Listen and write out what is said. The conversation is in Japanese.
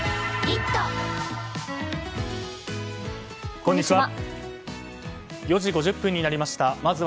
こんにちは。